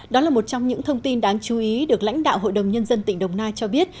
đó là một trong những thông tin đáng chú ý được lãnh đạo hội đồng nhân dân tỉnh đồng nai cho biết